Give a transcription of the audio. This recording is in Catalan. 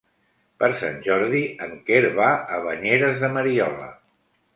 Per Sant Jordi en Quer va a Banyeres de Mariola.